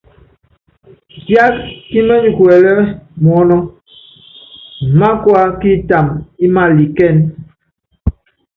Kiákí kí mɛnyikuɛlɛ, muɔnɔ́, ima̰kúa kiptama ímalikɛ́n.